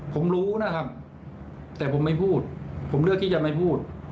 ผมรู้นะครับแต่ผมไม่พูดผมเลือกที่จะไม่พูด